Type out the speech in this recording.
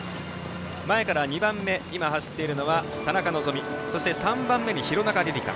前から２番目、田中希実そして３番目に廣中璃梨佳。